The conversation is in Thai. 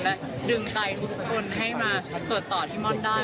และดึงใจทุกคนให้มาตรวจต่อพี่ม่อนได้